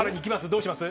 どうします？